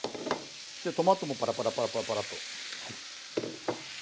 でトマトもパラパラパラパラパラッと。